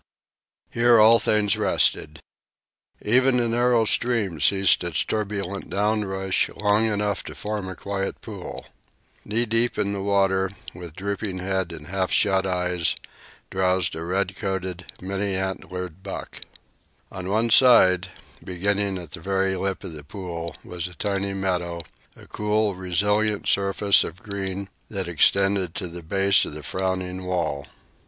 Here all things rested. Even the narrow stream ceased its turbulent down rush long enough to form a quiet pool. Knee deep in the water, with drooping head and half shut eyes, drowsed a red coated, many antlered buck. On one side, beginning at the very lip of the pool, was a tiny meadow, a cool, resilient surface of green that extended to the base of the frowning wall.